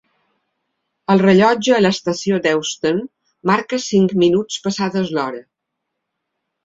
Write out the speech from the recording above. El rellotge a l'estació d'Euston marca cinc minuts passades l'hora.